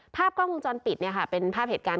ภาพกล้องวงจรปิดเป็นภาพเหตุการณ์